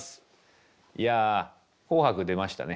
やあ「紅白」出ましたね。